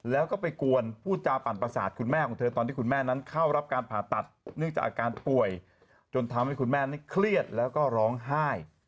แล้วก็ไปกวนพูดจาปั่นประสาทคุณแม่ของเธอตอนที่คุณแม่นั้นเข้ารับการผ่าตัดเนื่องจากอาการป่วยจนทำให้คุณแม่นี่เครียดแล้วก็ร้องไห้